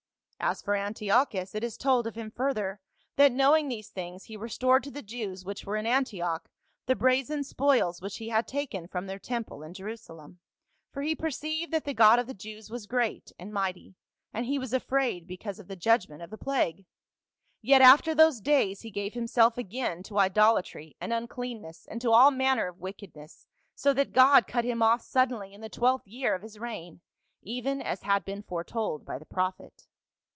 As for Antiochus, it is told of him further that knowing these things, he restored to the Jews which were in Antioch the brazen spoils which he had taken from their temple in Jerusalem,* for he perceived that the God of the Jews was great and mighty, and he was afraid because of the judg * Josephus, B. J., vii., 3, ? 3. A BOATMAN OF ANTIOCH. 233 ment of the plague. Yet after those days he gave himself again to idolatry and uncleanness and to all manner of wickedness, so that God cut him off sud denly in the twelfth year of his reign, even as had been foretold by the prophet."